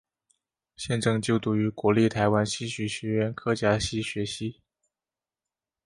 现正就读于国立台湾戏曲学院客家戏学系。